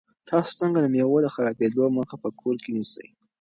تاسو څنګه د مېوو د خرابېدو مخه په کور کې نیسئ؟